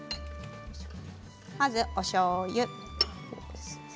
まず、おしょうゆ。